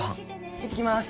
行ってきます。